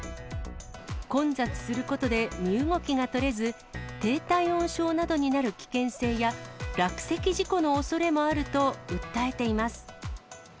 混雑することで身動きが取れず、低体温症などになる危険性や、落石事故のおそれもあると訴えています。